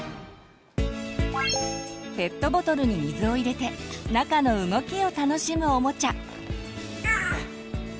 ペットボトルに水を入れて中の動きを楽しむおもちゃ。